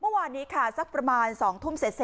เมื่อวานนี้ค่ะสักประมาณ๒ทุ่มเสร็จ